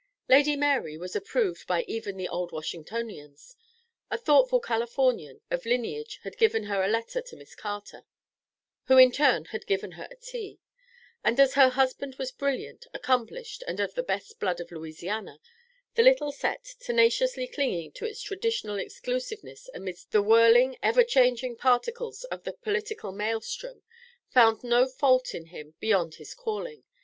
Lady Mary was approved by even the "Old Washingtonians" a thoughtful Californian of lineage had given her a letter to Miss Carter, who in turn had given her a tea and as her husband was brilliant, accomplished, and of the best blood of Louisiana, the little set, tenaciously clinging to its traditional exclusiveness amidst the whirling ever changing particles of the political maelstrom, found no fault in him beyond his calling.